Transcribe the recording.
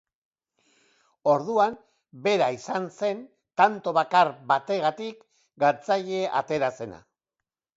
Orduan bera izan zen tanto bakar bategatik galtzaile atera zena.